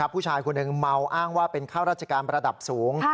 ผู้ชายคนหนึ่งเมาอ้างว่าเป็นข้าราชการระดับสูง